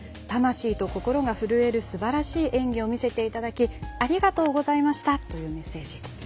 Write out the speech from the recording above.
魂と心が震えるすばらしい演技を見せていただきありがとうございましたというメッセージ。